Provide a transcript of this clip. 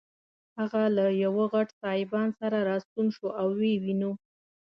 هغه له یوه غټ سایبان سره راستون شو او ویې نیو.